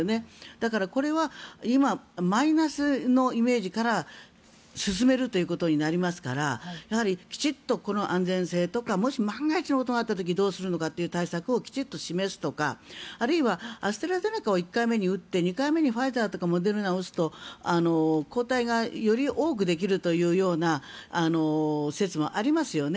だから、これは今マイナスのイメージから進めるということになりますからやはり、きちんとこの安全性とかもし万が一のことがあった場合にどうするのかという対策をきちんと示すとかあるいはアストラゼネカを１回目に打って２回目にファイザーとかモデルナを打つと抗体がより多くできるというような説もありますよね。